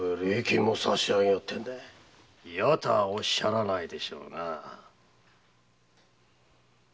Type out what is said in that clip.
嫌とはおっしゃらないでしょうな？